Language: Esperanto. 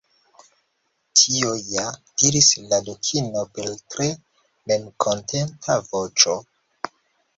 "Tio ja," diris la Dukino per tre memkontenta voĉo."